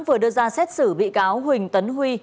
vừa đưa ra xét xử bị cáo huỳnh tấn huy